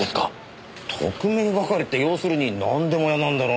特命係って要するになんでも屋なんだろ？